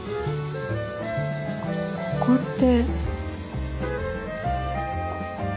ここって。